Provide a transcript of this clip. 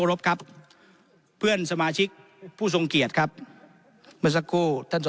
รบครับเพื่อนสมาชิกผู้ทรงเกียรติครับเมื่อสักครู่ท่าน